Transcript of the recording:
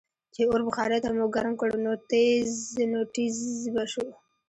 چې اور بخارۍ ته مو ګرم کړ نو ټیزززز به شو.